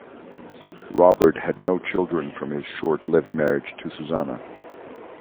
Robert had no children from his short-lived marriage to Susanna.